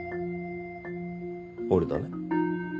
俺だね。